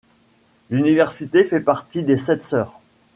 L'université fait partie des Sept Sœurs.